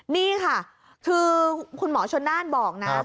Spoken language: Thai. นี่ค่ะคือคุณหมอชนน่านบอกนะ